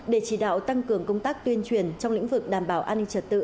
để chỉ đạo tăng cường công tác tuyên truyền trong lĩnh vực đảm bảo an ninh trật tự